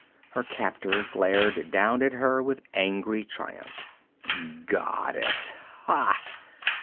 Her captor glared down at her with angry triumph. 'Goddess! Ha!